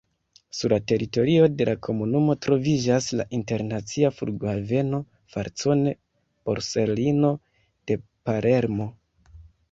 Sur la teritorio de la komunumo troviĝas la internacia Flughaveno Falcone-Borsellino de Palermo.